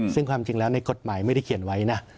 ซึ่งความจริงแล้วในกฎหมายไม่ได้เขียนไว้นะ